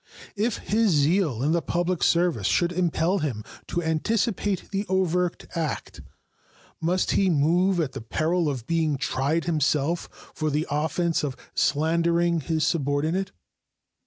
If his zeal in the public service should impel him to anticipate the overt act, must he move at the peril of being tried himself for the offense of slandering his subordinate?